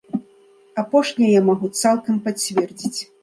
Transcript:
Апошняе я магу цалкам пацвердзіць.